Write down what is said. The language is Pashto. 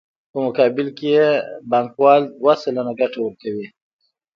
په مقابل کې یې بانکوال دوه سلنه ګټه ورکوي